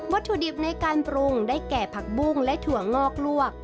ถุดิบในการปรุงได้แก่ผักบุ้งและถั่วงอกลวก